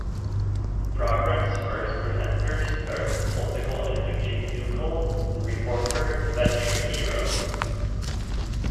The programme's first presenters were political editor Jim Dougal and reporter Yvette Shapiro.